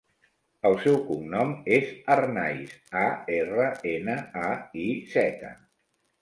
El seu cognom és Arnaiz: a, erra, ena, a, i, zeta.